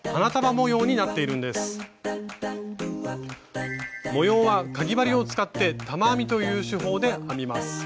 模様はかぎ針を使って玉編みという手法で編みます。